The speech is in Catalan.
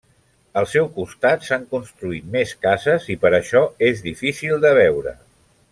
Al seu costat s'han construït més cases i per això és difícil de veure.